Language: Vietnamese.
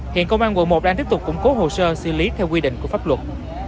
hiện công an quận một đang tiếp tục củng cố hồ sơ xử lý theo quy định của pháp luật